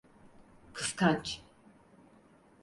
Kıskanç.